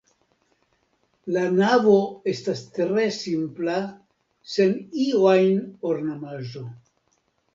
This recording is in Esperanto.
La navo estas tre simpla sen iu ajn ornamaĵo.